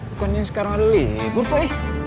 eh kok ini sekarang libur pak